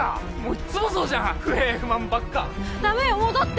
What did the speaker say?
・いっつもそうじゃん不平不満ばっか駄目よ戻って！